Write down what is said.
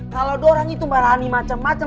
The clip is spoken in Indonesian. kalau dua orang itu marahani macam macam